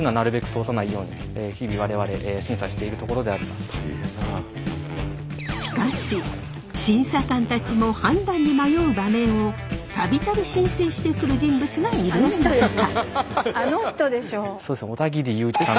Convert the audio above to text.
しかし審査官たちも判断に迷う馬名を度々申請してくる人物がいるんだとか。